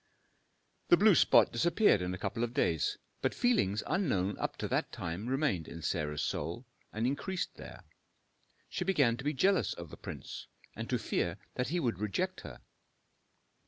The blue spot disappeared in a couple of days, but feelings unknown up to that time remained in Sarah's soul and increased there. She began to be jealous of the prince, and to fear that he would reject her.